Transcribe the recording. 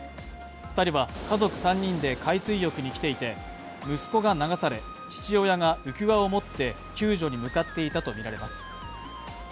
２人は家族３人で海水浴に来ていて、息子が流され、父親が浮き輪を持って救助に向かっていたとみられます。